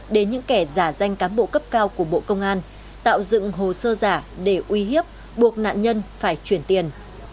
đến những kẻ giả danh cán bộ cấp cao của bộ công an tạo dựng hồ sơ giả để uy hiếp buộc nạn nhân phải chuyển tiền